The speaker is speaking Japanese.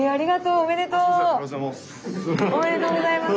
ありがとうございます。